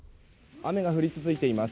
雨が降り続いています。